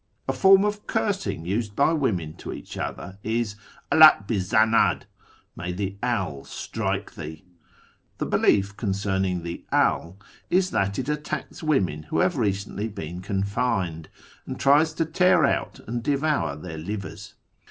A form of cursing used by women to each other is " Al at hi zanaJ !" ("May the Al strike tliee !") The belief concerning the Al is that it attacks women who have recently been confined, and tries to tear out and devour their livers.